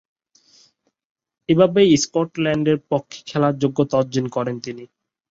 এভাবেই স্কটল্যান্ডের পক্ষে খেলার যোগ্যতা অর্জন করেন তিনি।